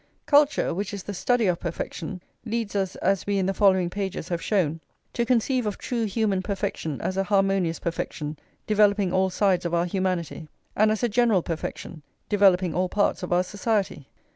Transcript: Culture, which is the study of perfection, leads us, as we in the following pages have shown, to conceive of true human perfection as a harmonious perfection, developing all sides of our humanity; and as a general perfection, developing all parts of our society.